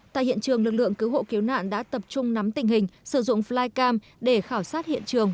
tại hiện trường lực lượng cứu hộ cứu nạn đã tập trung nắm tình hình sử dụng flycam để khảo sát hiện trường